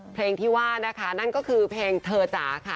เพลงที่ว่านะคะนั่นก็คือเพลงเธอจ๋าค่ะ